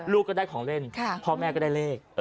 ก็ได้ของเล่นพ่อแม่ก็ได้เลข